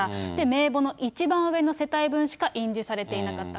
名簿の一番上の世帯分しか印字されていなかった。